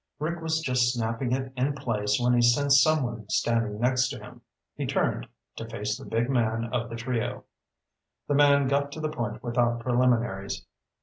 Rick was just snapping it in place when he sensed someone standing next to him. He turned, to face the big man of the trio. The man got to the point without preliminaries.